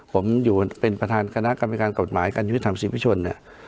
ผมอยู่เป็นประทานคณะกรรมิการกวดหมายการยุทธ์ธรรมศีรภิชลเนี้ย